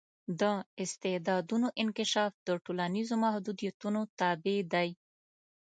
د استعدادونو انکشاف د ټولنیزو محدودیتونو تابع دی.